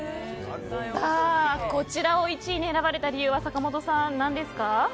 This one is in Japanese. こちらを１位に選ばれた理由は坂本さん、何ですか？